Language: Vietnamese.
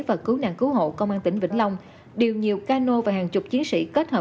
và cứu hộ công an tỉnh vĩnh long điều nhiều cano và hàng chục chiến sĩ kết hợp